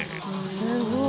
すごい。